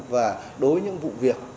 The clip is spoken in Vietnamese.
và đối với những vụ việc